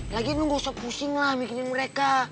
lagian lo gak usah pusing lah mikirin mereka